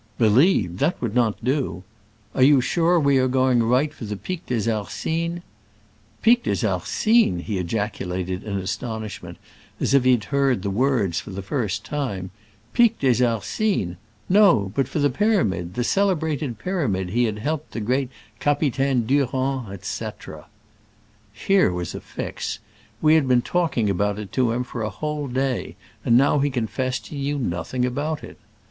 Believed !— that would not do. Are you sure we are going right for the Pic des Arcines?" "Pic des Arcines !" he ejaculated in astonish ment, as if he had heard the words for the first time —" Pic des Arcines ! No, but for the pyramid, the celebrated pyramid he had helped the great Capi taine Durand," etc. Here was a fix. We had been talk ing about it to him for a whole day, and now he confessed he knew nothing about it.